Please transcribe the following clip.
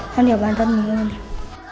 con hiểu bản thân mình hơn